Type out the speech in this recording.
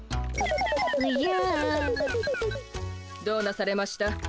どうなされました？